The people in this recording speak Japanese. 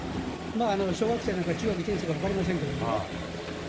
小学生なのか、中学１年生なのか分かりませんけどね。